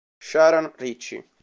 Sharon Ritchie